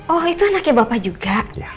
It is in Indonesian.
oh itu anaknya bapak juga